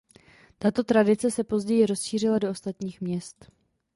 Tato tradice se později rozšířila do ostatních měst.